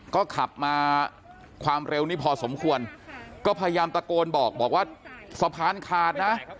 ก็ขับมาความเร็วนี้พอสมควรก็พยายามตะโกนบอกบอกว่าสะพานขาดนะ